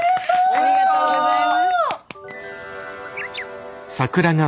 ありがとうございます。